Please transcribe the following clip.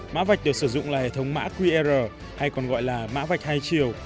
mã vạch được sử dụng là hệ thống mã qr hay còn gọi là mã vạch hai chiều